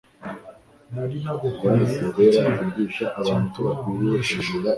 nari nagukoreye iki cyatuma unyishisha